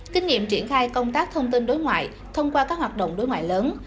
kinh nghiệm triển khai công tác thông tin đối ngoại thông qua các hoạt động đối ngoại lớn